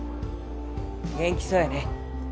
元気そうやね